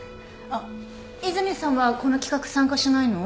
あっ和泉さんはこの企画参加しないの？